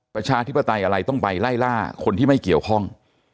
ประชาธิปไตยอะไรต้องไปไล่ล่าคนที่ไม่เกี่ยวข้อง